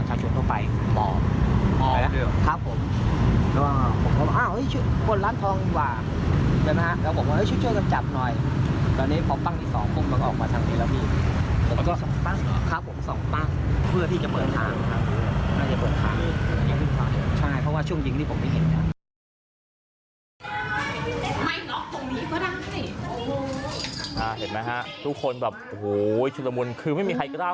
เห็นไหมฮะทุกคนแบบโอ้โหชุดละมุนคือไม่มีใครกล้า